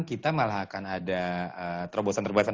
kita malah akan ada terobosan terobosan